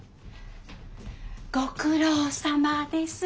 ご苦労さまです。